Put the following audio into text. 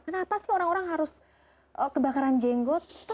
kenapa sih orang orang harus kebakaran jenggot